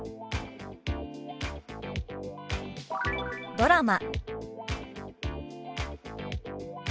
「ドラマ」。